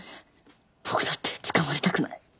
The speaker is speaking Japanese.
僕だって捕まりたくない。